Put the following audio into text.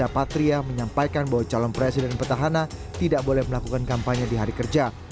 patria menyampaikan bahwa calon presiden petahana tidak boleh melakukan kampanye di hari kerja